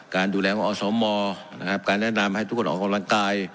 การดูแลของอสมนะครับการแนะนำให้ทุกคนออกกำลังกาย